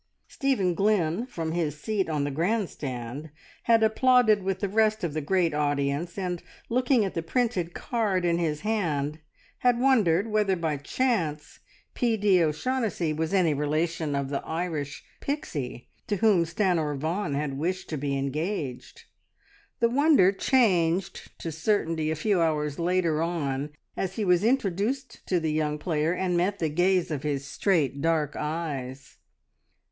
Stephen Glynn from his seat on the grand stand had applauded with the rest of the great audience, and looking at the printed card in his hand had wondered whether by chance P.D. O'Shaughnessy was any relation of the Irish Pixie to whom Stanor Vaughan had wished to be engaged. The wonder changed to certainty a few hours later on as he was introduced to the young player, and met the gaze of his straight, dark eyes!